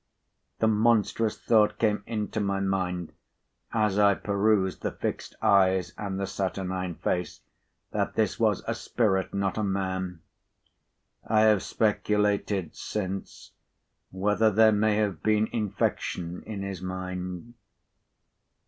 The monstrous thought came into my mind as I perused the fixed eyes and the saturnine face, that this was a spirit, not a man. I have speculated since, whether there may have been infection in his mind.